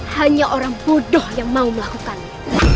hanya orang bodoh yang mau melakukannya